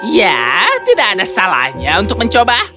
ya tidak ada salahnya untuk mencoba